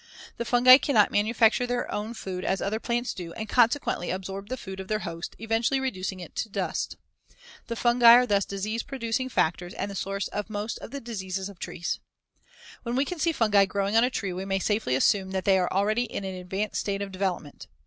The fungi cannot manufacture their own food as other plants do and consequently absorb the food of their host, eventually reducing it to dust. The fungi are thus disease producing factors and the source of most of the diseases of trees. When we can see fungi growing on a tree we may safely assume that they are already in an advanced state of development.